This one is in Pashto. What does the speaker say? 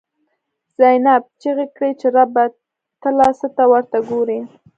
«زینب» چیغی کړی چه ربه، ته لا څه ته ورته گوری